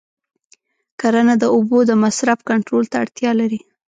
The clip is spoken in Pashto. کرنه د اوبو د مصرف کنټرول ته اړتیا لري.